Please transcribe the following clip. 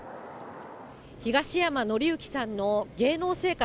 東山紀之さんの芸能生活